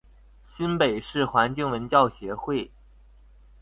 新北市環境文教協會